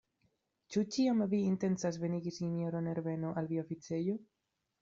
Ĉu ĉiam vi intencas venigi sinjoron Herbeno al via oficejo?